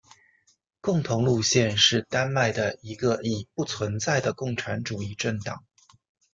共同路线是丹麦的一个已不存在的共产主义政党。